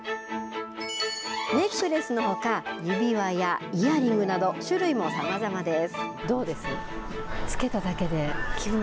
ネックレスのほか指輪やイヤリングなど種類もさまざまです。